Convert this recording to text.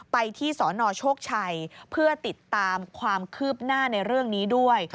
ไปที่สนโชคชัยเพื่อติดตามความคืบหน้าในเรื่องนี้ด้วย